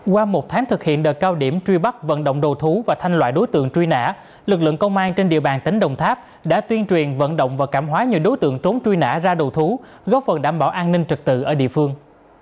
qua một tháng thực hiện đợt cao điểm truy bắt vận động đầu thú và thanh loại đối tượng truy nã lực lượng công an trên địa bàn tỉnh đồng tháp đã tuyên truyền vận động và cảm hóa nhiều đối tượng trốn truy nã ra đầu thú góp phần đảm bảo an ninh trực tự ở địa phương